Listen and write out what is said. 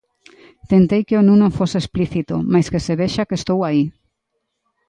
Tentei que o nu non fose explícito mais que se vexa que estou aí.